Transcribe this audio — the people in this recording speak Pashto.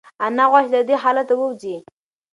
انا غواړي چې له دې حالته ووځي.